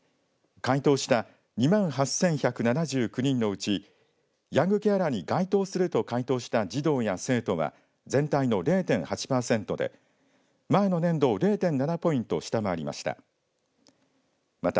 回答した２万８１７９人のうちヤングケアラーに該当すると回答した児童や生徒は全体の０．８パーセントで前の年度を０．７ポイント下回りました。